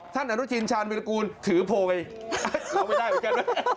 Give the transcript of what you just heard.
ท่านอรุชินชาญวิรกูลถือโพยร้องไม่ได้เหมือนกัน